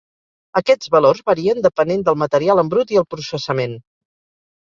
Aquests valors varien depenent del material en brut i el processament.